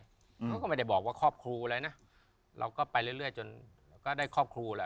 เขาก็ไม่ได้บอกว่าครอบครูอะไรนะเราก็ไปเรื่อยจนเราก็ได้ครอบครูแหละ